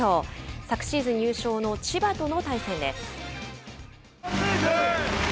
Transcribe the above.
昨シーズン優勝の千葉との対戦です。